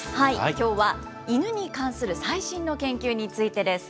きょうは、イヌに関する最新の研究についてです。